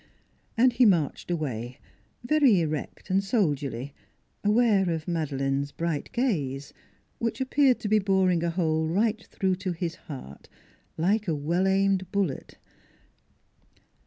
And he marched away, very erect and soldierly, aware of Madeleine's bright gaze, which ap peared to be boring a hole right through to his heart like a well aimed bullet.